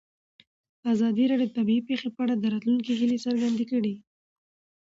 ازادي راډیو د طبیعي پېښې په اړه د راتلونکي هیلې څرګندې کړې.